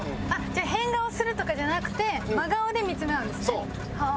じゃあ変顔するとかじゃなくて真顔で見つめ合うんですね。